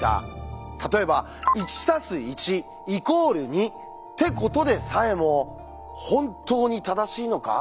例えば「１＋１＝２」ってことでさえも「本当に正しいのか？」